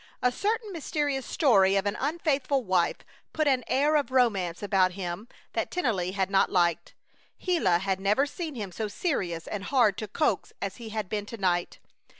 A certain mysterious story of an unfaithful wife put an air of romance about him that Tennelly had not liked. Gila had never seen him so serious and hard to coax as he had been to night.